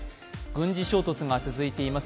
軍事衝突が続いています